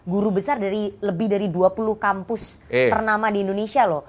guru besar dari lebih dari dua puluh kampus ternama di indonesia loh